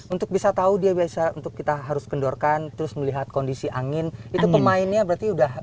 untuk bisa tahu dia biasa untuk kita harus kendorkan terus melihat kondisi angin itu pemainnya berarti udah